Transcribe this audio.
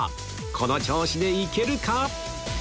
この調子でいけるか？